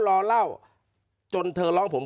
รอเล่าจนเธอร้องผม